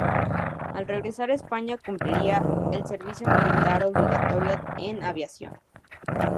Al regresar a España cumpliría el servicio militar obligatorio en Aviación.